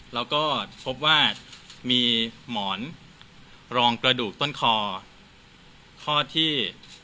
แล้วก็พบว่ามีหมอนรองกระดูกต้นคอข้อที่